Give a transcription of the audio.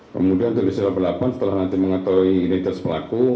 kemudian d satu ratus delapan puluh delapan setelah nanti mengetahui identitas pelaku